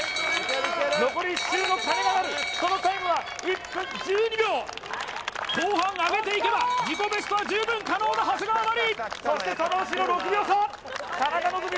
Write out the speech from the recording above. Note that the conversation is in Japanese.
残り１周の鐘が鳴るそのタイムは１分１２秒後半上げていけば自己ベストは十分可能な長谷川真理そしてその後ろ６秒差田中希実